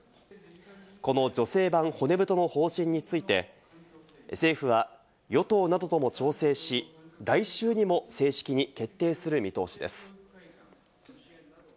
この女性版骨太の方針について政府は与党などとも調整し、来週にも正式に決定する見通しです。